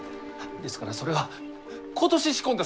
ですからそれは今年仕込んだ